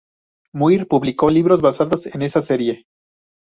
Muir publicó libros basados en esa serie.